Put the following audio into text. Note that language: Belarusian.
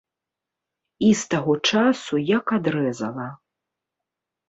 І з таго часу як адрэзала.